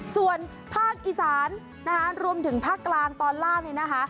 ส่วนภาคอีสานรวมถึงภาคกลางตอนล่าง